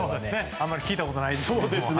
あまり聞いたことないですけども。